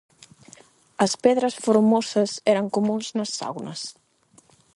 As "pedras formosas" eran comúns nas saunas?